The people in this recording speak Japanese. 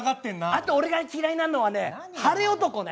あと俺が嫌いなのはね晴れ男ね！